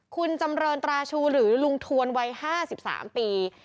คุณจำเรินตราชูหรือลุงทวนวัย๕๓ปี